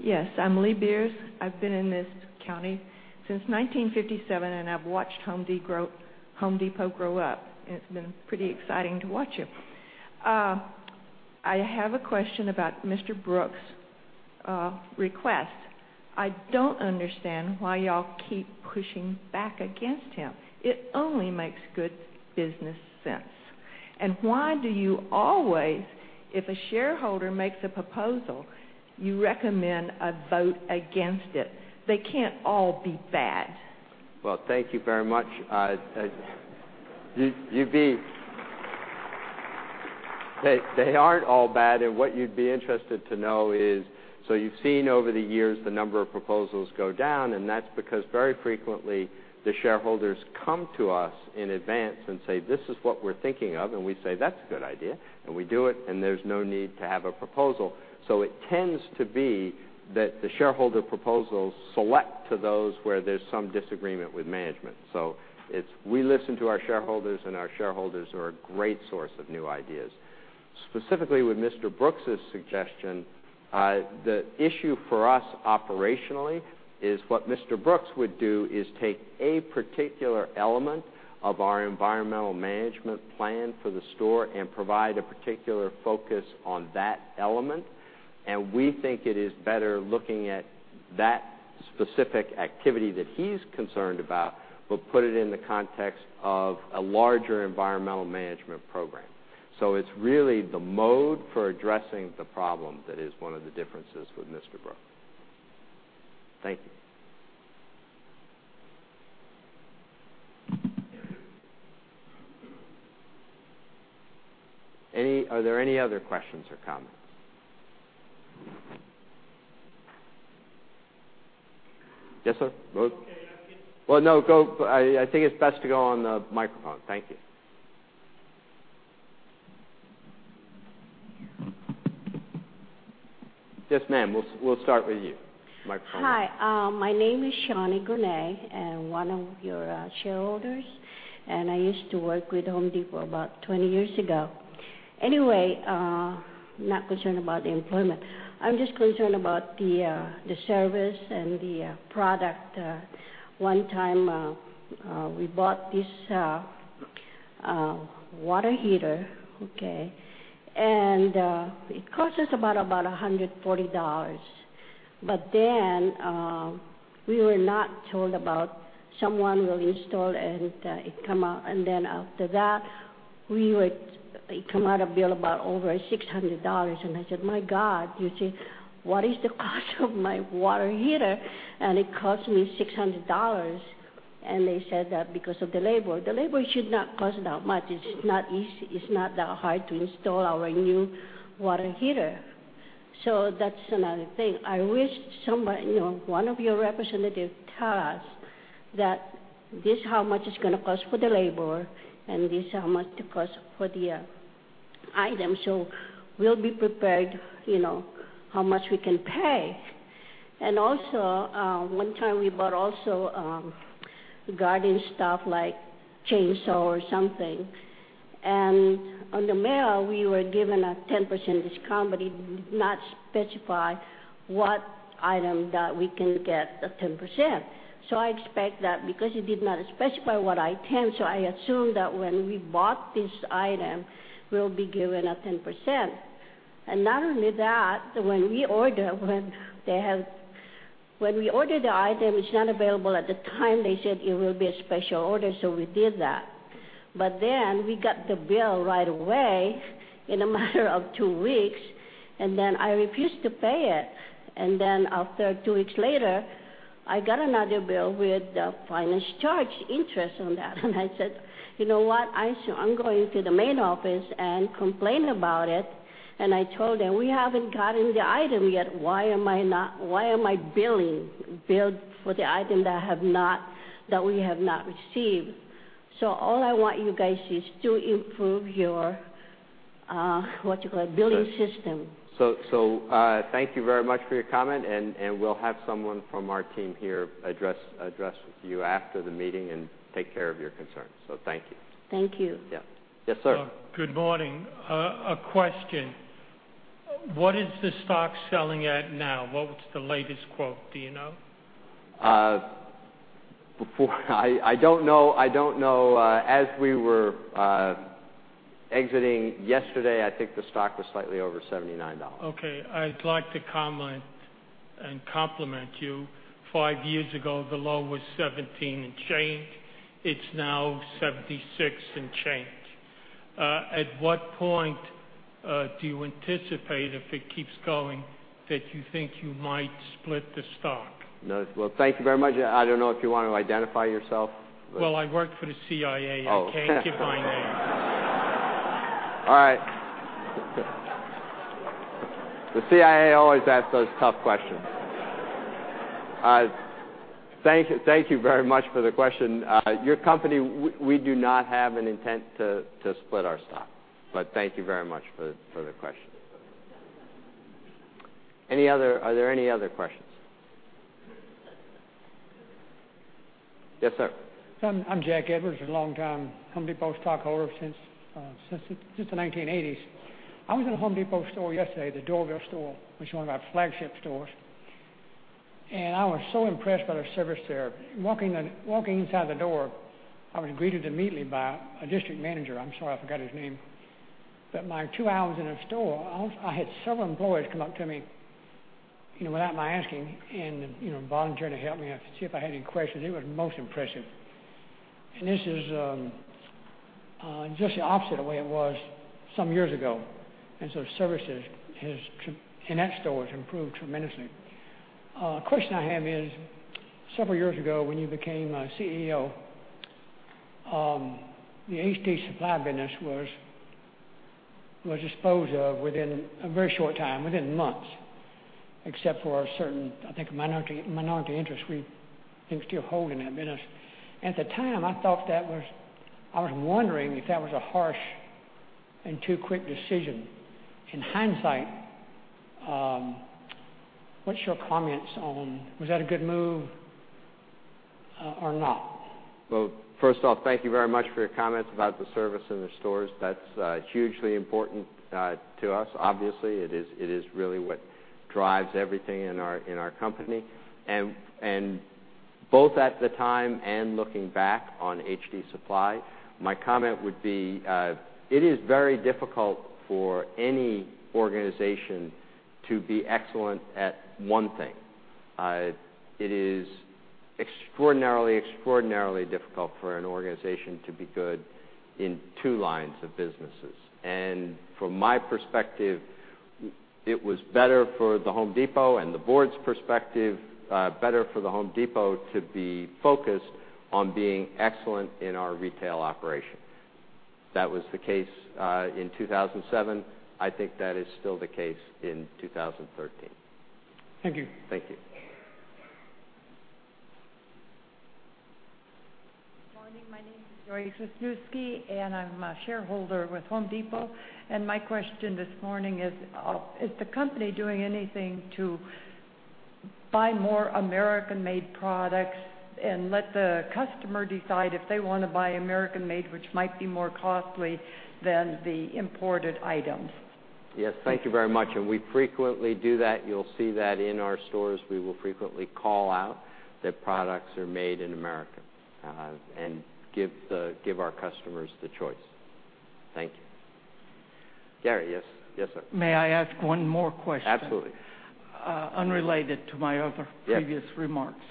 Yes, I'm Lee Beers. I've been in this county since 1957, and I've watched The Home Depot grow up, and it's been pretty exciting to watch it. I have a question about Mr. Brooks' request. I don't understand why y'all keep pushing back against him. It only makes good business sense. Why do you always, if a shareholder makes a proposal, you recommend a vote against it? They can't all be bad. Thank you very much. They aren't all bad, what you'd be interested to know is, you've seen over the years the number of proposals go down, and that's because very frequently the shareholders come to us in advance and say, "This is what we're thinking of," and we say, "That's a good idea." We do it, and there's no need to have a proposal. It tends to be that the shareholder proposals select to those where there's some disagreement with management. We listen to our shareholders, and our shareholders are a great source of new ideas. Specifically, with Mr. Brooks' suggestion, the issue for us operationally is what Mr. Brooks would do is take a particular element of our environmental management plan for the store and provide a particular focus on that element, and we think it is better looking at that specific activity that he's concerned about, but put it in the context of a larger environmental management program. It's really the mode for addressing the problem that is one of the differences with Mr. Brooks. Thank you. Are there any other questions or comments? Yes, sir. Okay, well, no, I think it's best to go on the microphone. Thank you. Yes, ma'am, we'll start with you. Microphone. Hi, my name is Shani Granay, one of your shareholders, and I used to work with The Home Depot about 20 years ago. Anyway, not concerned about the employment. I'm just concerned about the service and the product. One time, we bought this water heater, okay? It cost us about $140. We were not told about someone will install and it come out. After that, it come out a bill about over $600. I said, "My God," you see. "What is the cost of my water heater? It cost me $600." They said that because of the labor. The labor should not cost that much. It's not that hard to install our new water heater. That's another thing. I wish one of your representative tell us that this how much it's going to cost for the labor, and this how much it cost for the item, so we'll be prepared how much we can pay. Also, one time we bought also garden stuff like chainsaw or something. On the mail, we were given a 10% discount, but it did not specify what item that we can get the 10%. I expect that because it did not specify what item, so I assumed that when we bought this item, we'll be given a 10%. Not only that, when we order the item, it's not available at the time, they said it will be a special order, so we did that. We got the bill right away in a matter of two weeks, and then I refused to pay it. After two weeks later, I got another bill with the finance charge interest on that. I said, "You know what? I'm going to the main office and complain about it." I told them, "We haven't gotten the item yet. Why am I billed for the item that we have not received?" All I want you guys is to improve your, what you call it, billing system. Thank you very much for your comment, and we'll have someone from our team here address with you after the meeting and take care of your concerns. Thank you. Thank you. Yeah. Yes, sir. Good morning. A question. What is the stock selling at now? What's the latest quote? Do you know? I don't know. As we were exiting yesterday, I think the stock was slightly over $79. Okay. I'd like to comment and compliment you. Five years ago, the low was 17 and change. It's now 76 and change. At what point do you anticipate, if it keeps going, that you think you might split the stock? Well, thank you very much. I don't know if you want to identify yourself. Well, I work for the CIA. Oh. I can't give my name. All right. The CIA always asks those tough questions. Thank you very much for the question. Your company, we do not have an intent to split our stock. Thank you very much for the question. Are there any other questions? Yes, sir. I'm Jack Edwards, a longtime Home Depot stockholder since the 1980s. I was in a Home Depot store yesterday, the Doraville store, which is one of our flagship stores. I was so impressed by their service there. Walking inside the door, I was greeted immediately by a district manager. I'm sorry, I forgot his name. My two hours in the store, I had several employees come up to me, without my asking, and volunteer to help me, see if I had any questions. It was most impressive. This is just the opposite of the way it was some years ago. Services in that store has improved tremendously. A question I have is, several years ago when you became CEO, the HD Supply business was disposed of within a very short time, within months, except for a certain, I think, minority interest we still hold in that business. At the time, I was wondering if that was a harsh and too quick decision. In hindsight, what's your comments on, was that a good move or not? First off, thank you very much for your comments about the service in the stores. That's hugely important to us. Obviously, it is really what drives everything in our company. Both at the time and looking back on HD Supply, my comment would be, it is very difficult for any organization to be excellent at one thing. It is extraordinarily difficult for an organization to be good in two lines of businesses. From my perspective, it was better for The Home Depot, and the board's perspective, better for The Home Depot to be focused on being excellent in our retail operation. That was the case in 2007. I think that is still the case in 2013. Thank you. Thank you. Good morning. My name is Gloria Krasnewsky, I'm a shareholder with The Home Depot. My question this morning is the company doing anything to buy more American-made products and let the customer decide if they want to buy American-made, which might be more costly than the imported items? Yes. Thank you very much. We frequently do that. You'll see that in our stores. We will frequently call out that products are made in America, and give our customers the choice. Thank you. Gary, yes, sir. May I ask one more question? Absolutely. Unrelated to my previous remarks. Yes.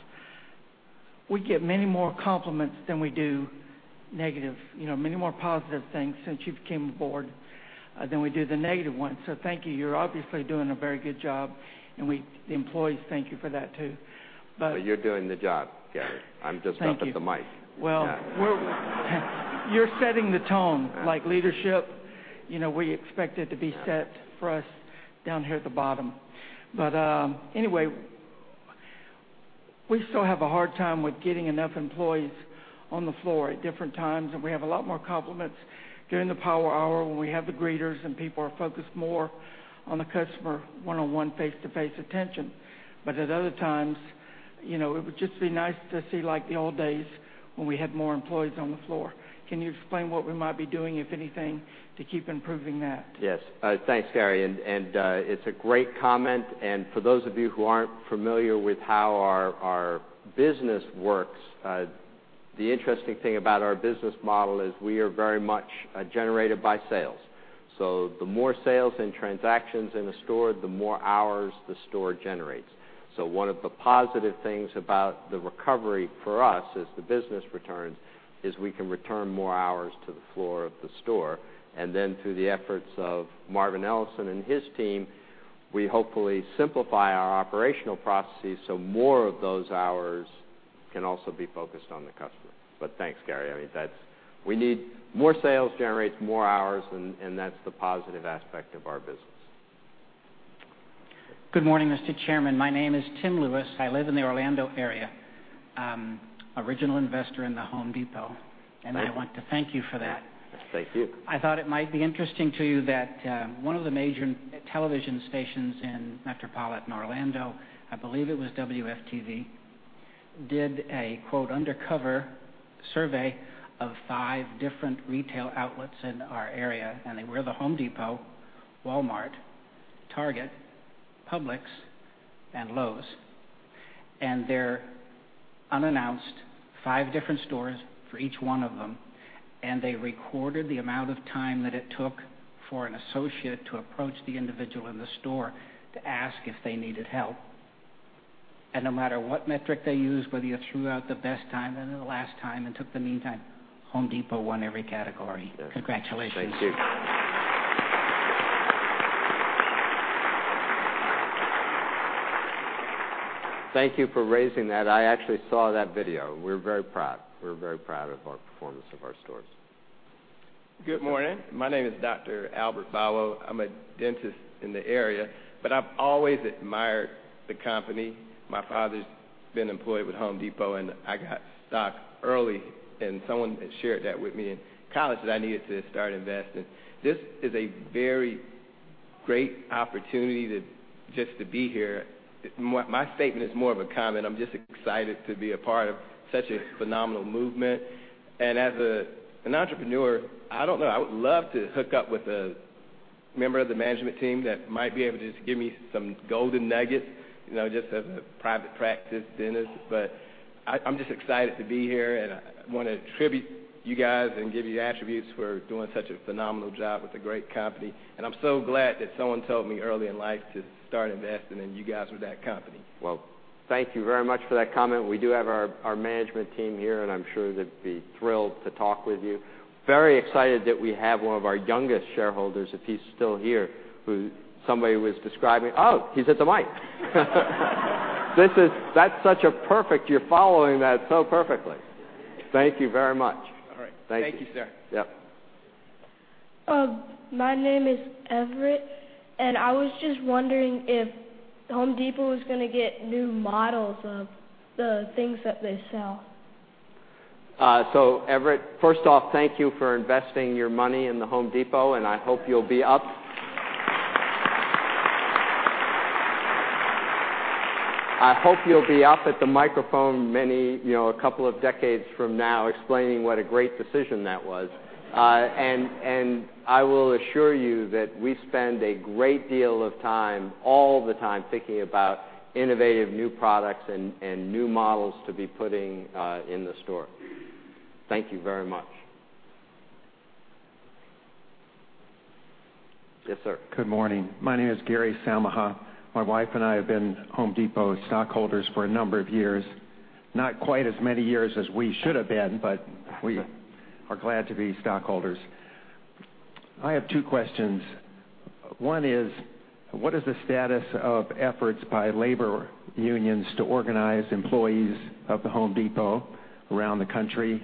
We get many more compliments than we do negative, many more positive things since you became a board than we do the negative ones. Thank you. You're obviously doing a very good job, and the employees thank you for that, too. You're doing the job, Gary. I'm just up at the mic. Thank you. Yeah. You're setting the tone, like leadership. We expect it to be set for us down here at the bottom. Anyway, we still have a hard time with getting enough employees on the floor at different times, and we have a lot more compliments during the Power Hour when we have the greeters and people are focused more on the customer, one-on-one, face-to-face attention. At other times, it would just be nice to see like the old days when we had more employees on the floor. Can you explain what we might be doing, if anything, to keep improving that? Yes. It's a great comment. For those of you who aren't familiar with how our business works, the interesting thing about our business model is we are very much generated by sales. The more sales and transactions in a store, the more hours the store generates. One of the positive things about the recovery for us as the business returns is we can return more hours to the floor of the store, and then through the efforts of Marvin Ellison and his team, we hopefully simplify our operational processes so more of those hours can also be focused on the customer. Thanks, Gary. More sales generates more hours, and that's the positive aspect of our business. Good morning, Mr. Chairman. My name is Tim Lewis. I live in the Orlando area. Original investor in The Home Depot. Thank you. I want to thank you for that. Thank you. I thought it might be interesting to you that one of the major television stations in metropolitan Orlando, I believe it was WFTV, did a quote, undercover survey of five different retail outlets in our area. They were The Home Depot, Walmart, Target, Publix, and Lowe's. They're unannounced, five different stores for each one of them, and they recorded the amount of time that it took for an associate to approach the individual in the store to ask if they needed help. No matter what metric they used, whether you threw out the best time and then the last time and took the meantime, Home Depot won every category. Yes. Congratulations. Thank you. Thank you for raising that. I actually saw that video. We're very proud. We're very proud of our performance of our stores. Good morning. My name is Dr. Albert Ballow. I'm a dentist in the area, but I've always admired the company. My father's been employed with Home Depot, and I got stock early, and someone had shared that with me in college that I needed to start investing. This is a very great opportunity just to be here. My statement is more of a comment. I'm just excited to be a part of such a phenomenal movement. As an entrepreneur, I don't know, I would love to hook up with a member of the management team that might be able to just give me some golden nuggets, just as a private practice dentist. I'm just excited to be here, and I want to tribute you guys and give you [inaudible] for doing such a phenomenal job with a great company, and I'm so glad that someone told me early in life to start investing, and you guys were that company. Thank you very much for that comment. We do have our management team here, and I'm sure they'd be thrilled to talk with you. I'm very excited that we have one of our youngest shareholders, if he's still here, who somebody was describing. Oh, he's at the mic. That's such a perfect, you're following that so perfectly. Thank you very much. All right. Thank you. Thank you, sir. Yep. My name is Everett. I was just wondering if The Home Depot is going to get new models of the things that they sell. Everett, first off, thank you for investing your money in The Home Depot, and I hope you'll be up at the microphone a couple of decades from now explaining what a great decision that was. I will assure you that we spend a great deal of time, all the time, thinking about innovative new products and new models to be putting in the store. Thank you very much. Yes, sir. Good morning. My name is Gary Samaha. My wife and I have been The Home Depot stockholders for a number of years. Not quite as many years as we should have been, but we are glad to be stockholders. I have two questions. One is, what is the status of efforts by labor unions to organize employees of The Home Depot around the country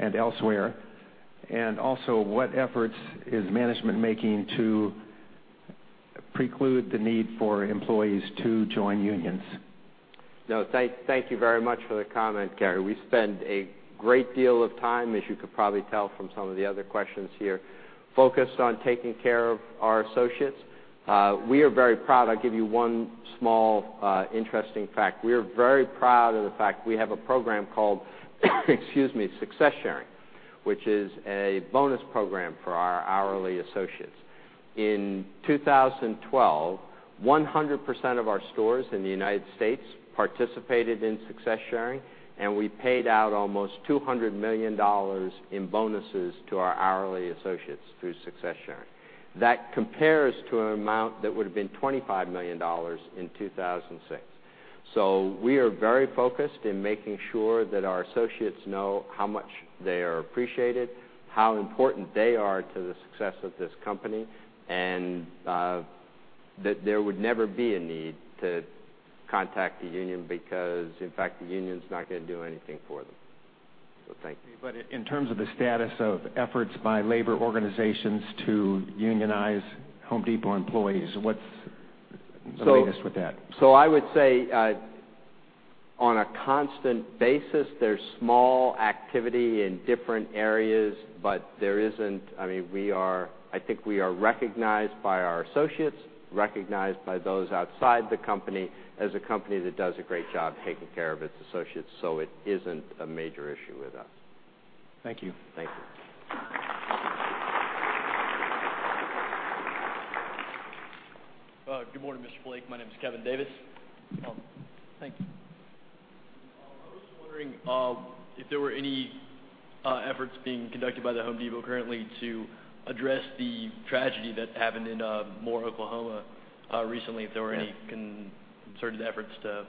and elsewhere? What efforts is management making to preclude the need for employees to join unions? Thank you very much for the comment, Gary. We spend a great deal of time, as you could probably tell from some of the other questions here, focused on taking care of our associates. We are very proud. I'll give you one small interesting fact. We are very proud of the fact we have a program called Success Sharing, which is a bonus program for our hourly associates. In 2012, 100% of our stores in the U.S. participated in Success Sharing, and we paid out almost $200 million in bonuses to our hourly associates through Success Sharing. That compares to an amount that would have been $25 million in 2006. We are very focused in making sure that our associates know how much they are appreciated, how important they are to the success of this company, and that there would never be a need to contact the union because, in fact, the union's not going to do anything for them. Thank you. In terms of the status of efforts by labor organizations to unionize Home Depot employees, what's the latest with that? I would say, on a constant basis, there's small activity in different areas, but there isn't I think we are recognized by our associates, recognized by those outside the company as a company that does a great job taking care of its associates, so it isn't a major issue with us. Thank you. Thank you. Good morning, Mr. Blake. My name is Kevin Davis. Oh, thank you. I was just wondering if there were any efforts being conducted by The Home Depot currently to address the tragedy that happened in Moore, Oklahoma, recently. If there were any concerted efforts to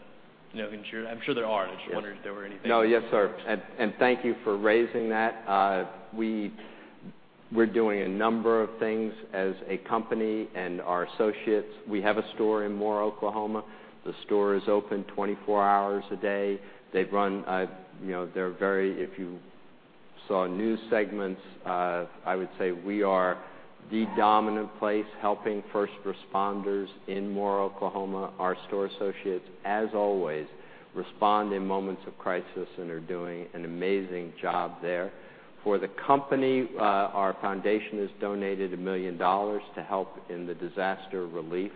ensure. I'm sure there are. I just wonder if there were anything. No, yes, sir. Thank you for raising that. We're doing a number of things as a company and our associates. We have a store in Moore, Oklahoma. The store is open 24 hours a day. If you saw news segments, I would say we are the dominant place helping first responders in Moore, Oklahoma. Our store associates, as always, respond in moments of crisis and are doing an amazing job there. For the company, our foundation has donated $1 million to help in the disaster relief.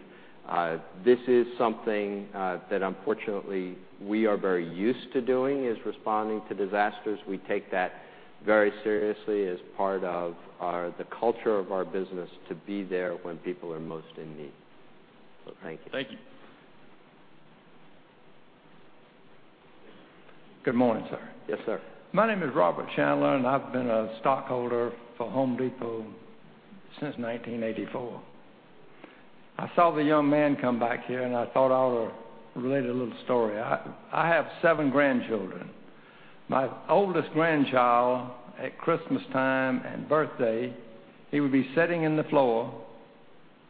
This is something that unfortunately we are very used to doing, is responding to disasters. We take that very seriously as part of the culture of our business to be there when people are most in need. Thank you. Thank you. Good morning, sir. Yes, sir. My name is Robert Chandler, and I've been a stockholder for Home Depot since 1984. I saw the young man come back here, and I thought I ought to relate a little story. I have seven grandchildren. My oldest grandchild, at Christmastime and birthday, he would be sitting in the floor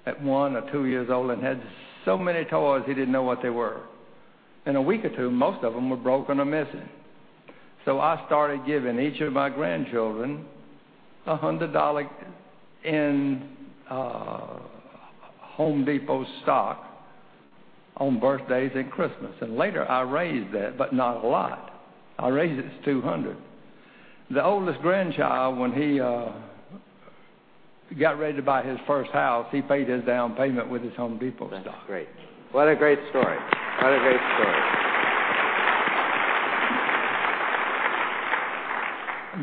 at one or two years old and had so many toys he didn't know what they were. In a week or two, most of them were broken or missing. I started giving each of my grandchildren $100 in Home Depot stock on birthdays and Christmas. Later, I raised that, but not a lot. I raised it to $200. The oldest grandchild, when he got ready to buy his first house, he paid his down payment with his Home Depot stock. That's great. What a great story. What a great story.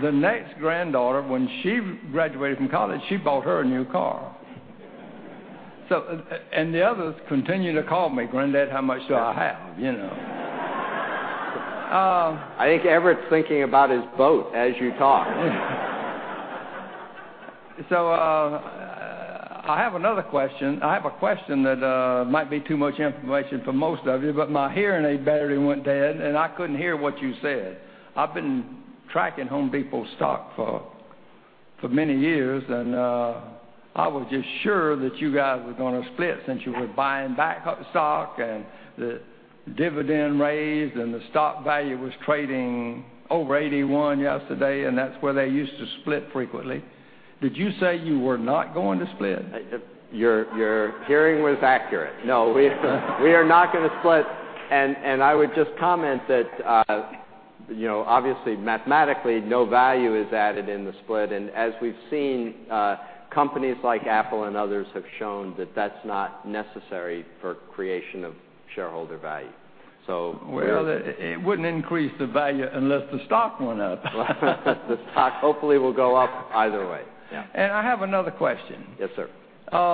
The next granddaughter, when she graduated from college, she bought her a new car. The others continue to call me, "Granddad, how much do I have? I think Everett's thinking about his boat as you talk. I have another question. I have a question that might be too much information for most of you, but my hearing aid battery went dead, and I couldn't hear what you said. I've been tracking The Home Depot stock for many years, and I was just sure that you guys were going to split since you were buying back up the stock, and the dividend raised, and the stock value was trading over 81 yesterday, and that's where they used to split frequently. Did you say you were not going to split? Your hearing was accurate. No, we are not going to split. I would just comment that obviously, mathematically, no value is added in the split. As we've seen, companies like Apple and others have shown that that's not necessary for creation of shareholder value. Well, it wouldn't increase the value unless the stock went up. The stock hopefully will go up either way. Yeah. I have another question. Yes, sir.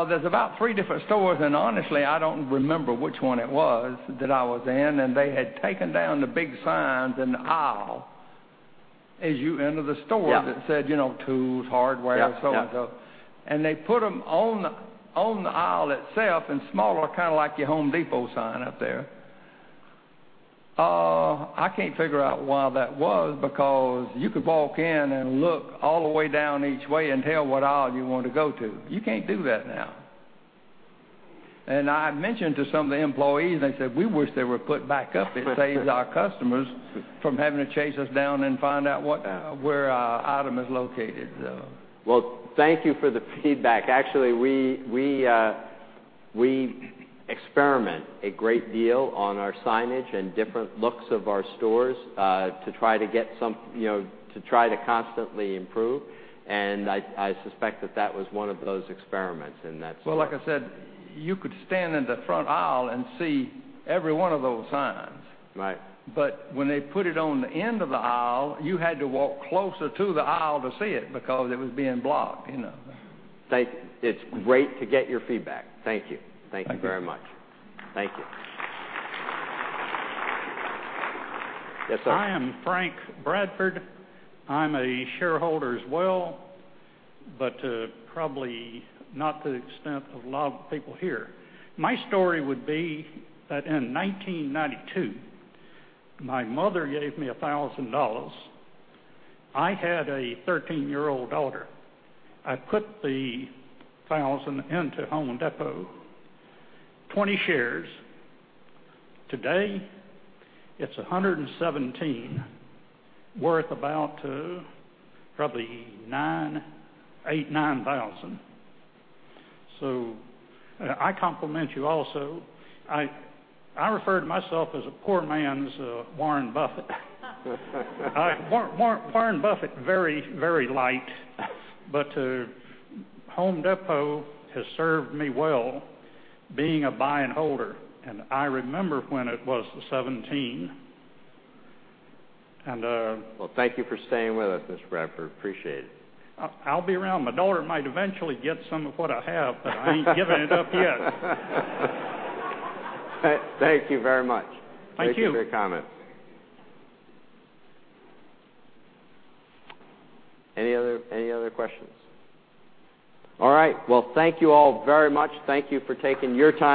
There's about three different stores. Honestly, I don't remember which one it was that I was in. They had taken down the big signs in the aisle as you enter the store. Yeah that said tools, hardware Yeah so and so. They put them on the aisle itself and smaller, like your Home Depot sign up there. I can't figure out why that was, because you could walk in and look all the way down each way and tell what aisle you want to go to. You can't do that now. I mentioned to some of the employees, they said, "We wish they were put back up. It saves our customers from having to chase us down and find out where our item is located. Well, thank you for the feedback. Actually, we experiment a great deal on our signage and different looks of our stores, to try to constantly improve. I suspect that that was one of those experiments in that store. Well, like I said, you could stand in the front aisle and see every one of those signs. Right. When they put it on the end of the aisle, you had to walk closer to the aisle to see it because it was being blocked. Thank you. It's great to get your feedback. Thank you. Thank you. Thank you very much. Thank you. Yes, sir. I am Frank Bradford. I'm a shareholder as well, probably not to the extent of a lot of people here. My story would be that in 1992, my mother gave me $1,000. I had a 13-year-old daughter. I put the $1,000 into Home Depot, 20 shares. Today, it's 117, worth about probably $8,000, $9,000. I compliment you also. I refer to myself as a poor man's Warren Buffett. Warren Buffett, very light. Home Depot has served me well, being a buy and holder. I remember when it was the 17. Well, thank you for staying with us, Mr. Bradford. Appreciate it. I'll be around. My daughter might eventually get some of what I have, but I ain't giving it up yet. Thank you very much. Thank you. Thank you for your comments. Any other questions? All right. Well, thank you all very much. Thank you for taking your time